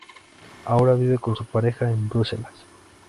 Ahora vive con su pareja en Bruselas.